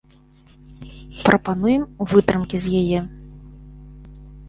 Прапануем вытрымкі з яе.